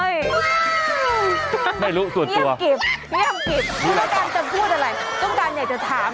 อยากจะถามอยากจะเล่าอะไร